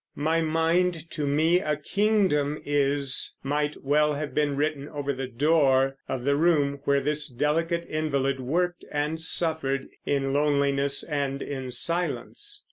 "My mind to me a kingdom is" might well have been written over the door of the room where this delicate invalid worked and suffered in loneliness and in silence.